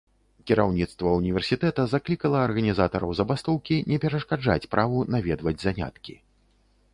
Кіраўніцтва ўніверсітэта заклікала арганізатараў забастоўкі не перашкаджаць праву наведваць заняткі.